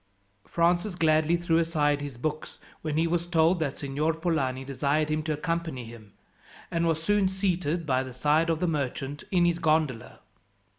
Francis gladly threw aside his books when he was told that Signor Polani desired him to accompany him, and was soon seated by the side of the merchant in his gondola.